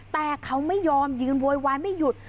แต่เขาไม่ยอมยืนโวยวายไม่หยุด